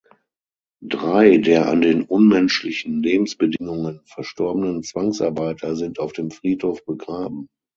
Drei der an den unmenschlichen Lebensbedingungen verstorbenen Zwangsarbeiter sind auf dem Friedhof begraben.